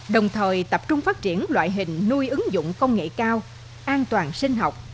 đồng thời tập trung phát triển loại hình nuôi ứng dụng công nghệ cao an toàn sinh học